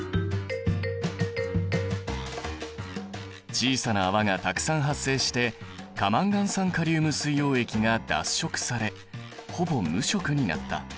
小さな泡がたくさん発生して過マンガン酸カリウム水溶液が脱色されほぼ無色になった。